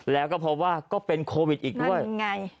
แล้วก็พบว่าก็เป็นโควิดอีกด้วยเป็นไง